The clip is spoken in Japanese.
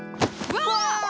うわ！